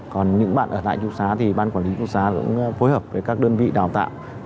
còn những bạn ở tại trung xá thì ban quản lý trung xá cũng phối hợp với các đơn vị đào tạo